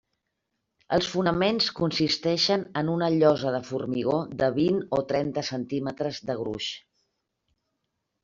Els fonaments consisteixen en una llosa de formigó de vint o trenta centímetres de gruix.